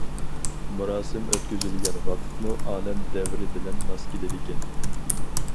مۇراسىم ئۆتكۈزۈلگەن ۋاقىتمۇ ئالەم دەۋرى بىلەن ماس كېلىدىكەن.